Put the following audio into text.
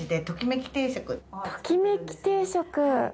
ときめき定食。